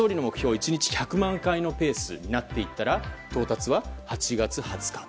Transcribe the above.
１日１００万回のペースになっていったら到達は８月２０日。